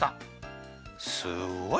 すごい。